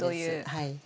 はい。